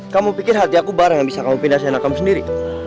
kamu pikir hati aku bareng yang bisa kamu pindah sena kamu sendiri